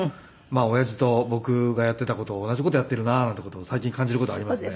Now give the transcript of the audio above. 親父と僕がやっていた事を同じ事をやっているななんて事を最近感じる事ありますね。